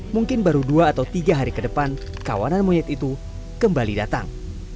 mungkin baru dua atau tiga hari ke depan kawanan monyet itu kembali datang